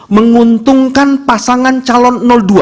menguntungkan pasangan calon dua